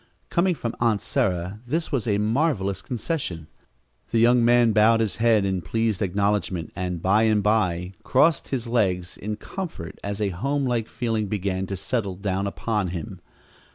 Coming from Aunt Sarah this was a marvelous concession. The young man bowed his head in pleased acknowledgment and, by and by, crossed his legs in comfort as a home like feeling began to settle down upon him.